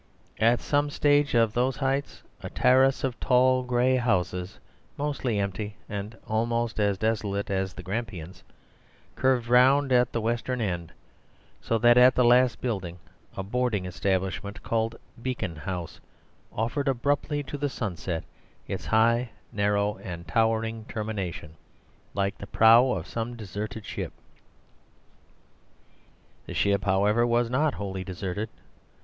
At some stage of those heights a terrace of tall gray houses, mostly empty and almost as desolate as the Grampians, curved round at the western end, so that the last building, a boarding establishment called "Beacon House," offered abruptly to the sunset its high, narrow and towering termination, like the prow of some deserted ship. The ship, however, was not wholly deserted.